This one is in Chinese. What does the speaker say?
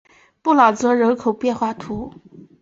布朗泽人口变化图示